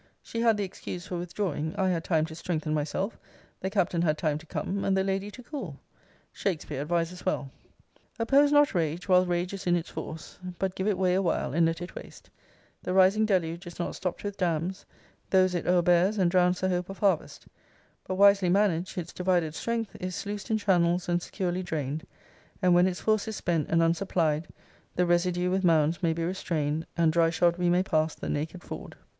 She had the excuse for withdrawing, I had time to strengthen myself; the Captain had time to come; and the lady to cool. Shakspeare advises well: Oppose not rage, whilst rage is in its force; But give it way awhile, and let it waste. The rising deluge is not stopt with dams; Those it o'erbears, and drowns the hope of harvest. But, wisely manag'd, its divided strength Is sluic'd in channels, and securely drain'd: And when its force is spent, and unsupply'd, The residue with mounds may be restrain'd, And dry shod we may pass the naked ford.